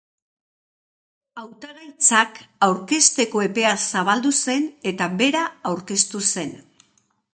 Hautagaitzak aurkezteko epea zabaldu zen eta bera aurkeztu zen.